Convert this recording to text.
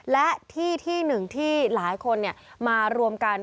และที่ที่หนึ่งที่หลายคนมารวมกัน